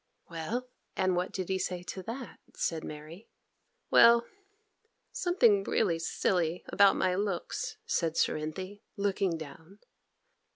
'Well; and what did he say to that?' said Mary. 'Well, something really silly about my looks,' said Cerinthy, looking down.